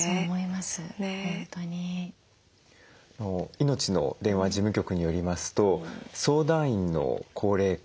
「いのちの電話」事務局によりますと相談員の高齢化